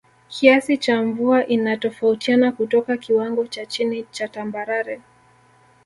Kiasi cha mvua inatofautiana kutoka kiwango cha chini cha Tambarare